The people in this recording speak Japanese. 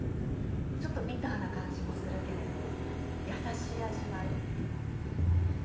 ちょっとビターな感じもするけれど優しい味わい。